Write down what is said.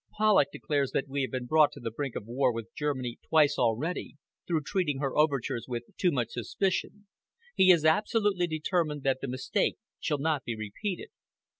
Polloch declares that we have been brought to the brink of war with Germany twice already, through treating her overtures with too much suspicion. He is absolutely determined that the mistake shall not be repeated."